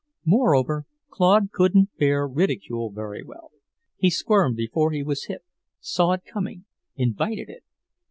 Moreover, Claude couldn't bear ridicule very well. He squirmed before he was hit; saw it coming, invited it.